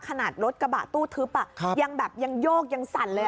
ขนาดรถกระบะตู้ทึบยังแบบยังโยกยังสั่นเลย